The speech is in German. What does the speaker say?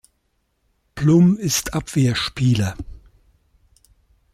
Plum ist Abwehrspieler.